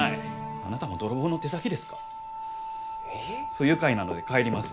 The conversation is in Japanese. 不愉快なので帰ります。